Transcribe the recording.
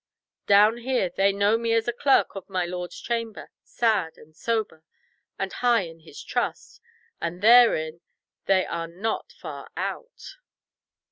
Down here they know me as a clerk of my lord's chamber, sad and sober, and high in his trust, and therein they are not far out."